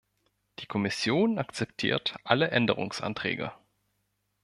Die Kommission akzeptiert alle Änderungsanträge.